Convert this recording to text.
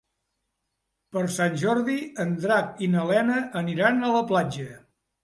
Per Sant Jordi en Drac i na Lena aniran a la platja.